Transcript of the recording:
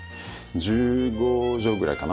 １５畳ぐらいかな。